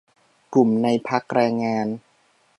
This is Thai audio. กลุ่มในพรรคแรงงาน